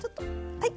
はい。